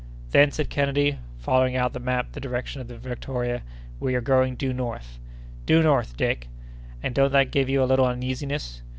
"Then," said Kennedy, following out on the map the direction of the Victoria, "we are going due north." "Due north, Dick." "And don't that give you a little uneasiness?"